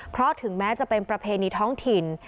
เพราะถึงแม้จะเป็นประเพณีท้องถิ่น